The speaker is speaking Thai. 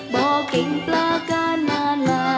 บ่อเกิ้งปลากันนานมา